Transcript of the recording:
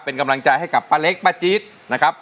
เป็นกำลังใจให้กับป้าเล็กป้าจี๊ดนะครับ